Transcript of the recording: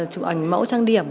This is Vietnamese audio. chụp ảnh mẫu trang điểm